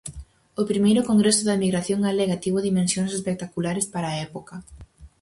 O Primeiro Congreso da Emigración Galega tivo dimensións espectaculares para a época.